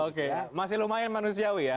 oke masih lumayan manusiawi ya